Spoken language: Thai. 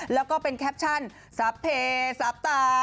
แล้วก็เป็นแคปชั่นซับเพลสาบตา